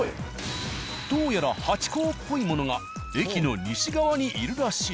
どうやらハチ公っぽいものが駅の西側にいるらしい。